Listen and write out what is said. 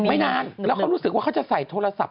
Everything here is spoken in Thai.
ไม่นานแล้วเขารู้สึกว่าเขาจะใส่โทรศัพท์